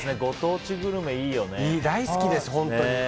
大好きです、本当に。